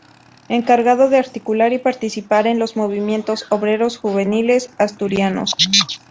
Encargado de articular y participar en los movimientos obreros juveniles asturianos.